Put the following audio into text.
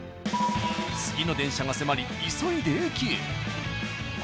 次の電車が迫り急いで駅へ。